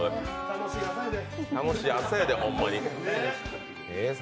楽しい朝やで、ホンマに。